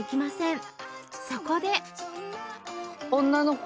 そこで